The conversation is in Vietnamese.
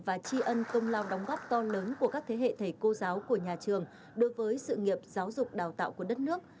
và tri ân công lao đóng góp to lớn của các thế hệ thầy cô giáo của nhà trường đối với sự nghiệp giáo dục đào tạo của đất nước